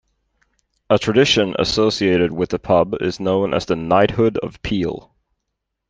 A tradition associated with the pub is known as the 'Knighthood of Piel'.